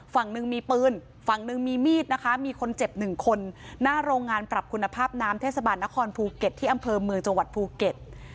ฝั่งหนึ่งมีปืนฝั่งหนึ่งมีมีดนะคะมีคนเจ็บหนึ่งคนหน้าโรงงานปรับคุณภาพน้ำเทศบาลนครภูเก็ตที่อำเภอเมืองจังหวัดภูเก็ต